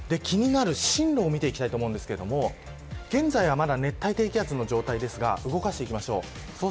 気になる進路を見ていきたいと思いますが現在は、まだ熱帯低気圧の状態ですが動かしていきましょう。